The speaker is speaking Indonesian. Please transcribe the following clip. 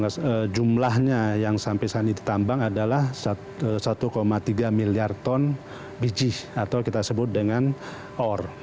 nah jumlahnya yang sampai saat ini ditambang adalah satu tiga miliar ton biji atau kita sebut dengan ore